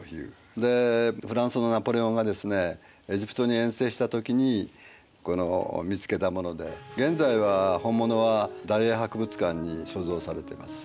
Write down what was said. でフランスのナポレオンがですねエジプトに遠征した時にこの見つけたもので現在は本物は大英博物館に所蔵されてます。